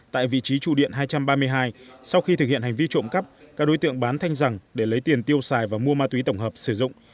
tại vị trí trụ điện hai trăm ba mươi hai sau khi thực hiện hành vi trộm cắp các đối tượng bán thanh rằng để lấy tiền tiêu xài và mua ma túy tổng hợp sử dụng